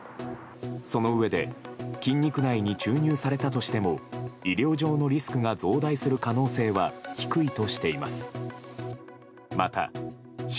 そのうえで筋肉内に注入されたとしても医療上のリスクが増大する可能性は低いとしています。